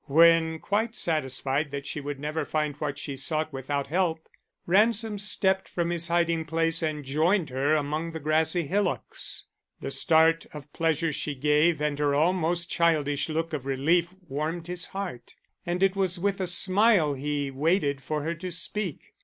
When quite satisfied that she would never find what she sought without help, Ransom stepped from his hiding place and joined her among the grassy hillocks. The start of pleasure she gave and her almost childish look of relief warmed his heart, and it was with a smile he waited for her to speak.